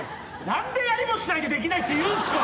何でやりもしないでできないって言うんすか？